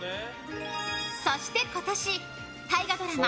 そして今年大河ドラマ